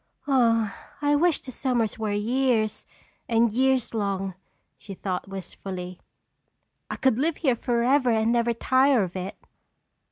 "Oh, I wish the summers were years and years long," she thought wistfully. "I could live here forever and never tire of it."